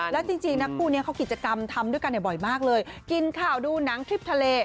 แล้วจริงนะคู่นี้เขากิจกรรมทำด้วยกันบ่อยมากเลยกินข่าวดูหนังทริปทะเล